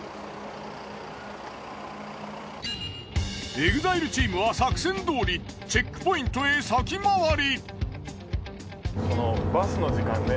ＥＸＩＬＥチームは作戦どおりチェックポイントへ先回り。